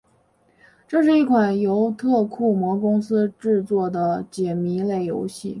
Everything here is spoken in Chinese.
是一款由特库摩公司制作的解谜类游戏。